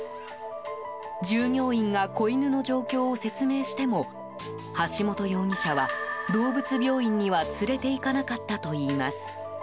従業員が子犬の状況を説明しても橋本容疑者は動物病院には連れて行かなかったといいます。